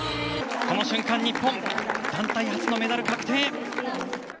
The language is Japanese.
この瞬間、日本団体初のメダル確定。